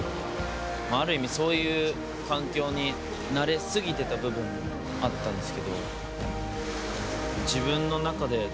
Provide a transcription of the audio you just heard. ある意味そういう環境に慣れ過ぎてた部分もあったんですけど。